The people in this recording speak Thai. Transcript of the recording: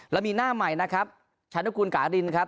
แล้วมีหน้าใหม่นะครับชานุกูลกาลินครับ